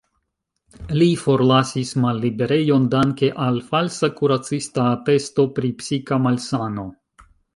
Li forlasis malliberejon danke al falsa kuracista atesto pri psika malsano.